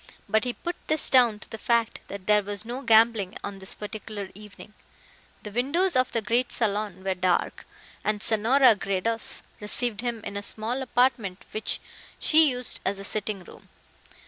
But he put this down to the fact that there was no gambling on this particular evening. The windows of the great salon were dark, and Senora Gredos received him in a small apartment which she used as a sitting room.